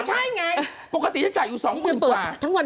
ก็ใช่ไงปกติจะจ่ายอยู่สองหมื่นบาท